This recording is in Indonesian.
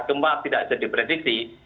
gempa tidak jadi prediksi